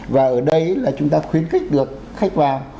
và ở đây là chúng ta khuyến khích được khách vào